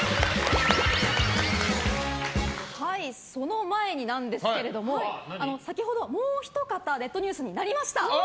その前になんですけども先ほど、もうお一方ネットニュースになりました。